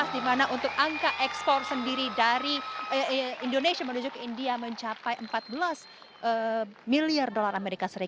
di mana untuk angka ekspor sendiri dari indonesia menuju ke india mencapai empat belas miliar dolar as